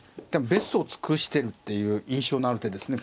ベストを尽くしてるっていう印象のある手ですね